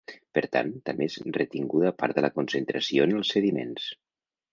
Per tant, també és retinguda part de la concentració en els sediments.